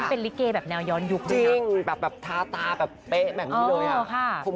นี่เป็นลิเกย์แบบแนวย้อนยุคเลยค่ะจริงแบบทาตาแบบเป๊ะแบบนี้เลยค่ะ